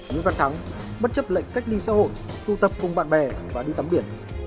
nhưng văn thắng bất chấp lệnh cách ly xã hội tu tập cùng bạn bè và đi tắm biển